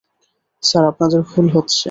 Sir, আপনাদের ভুল হচ্ছে।